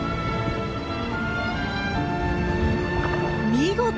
見事！